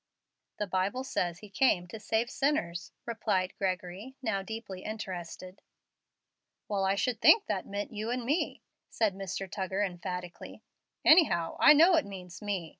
"The Bible says He came to save sinners," replied Gregory, now deeply interested. "Well, I should think that meant you and me," said Mr. Tuggar, emphatically. "Anyhow, I know it means me.